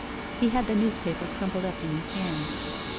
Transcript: He had the news paper crumpled up in his hand.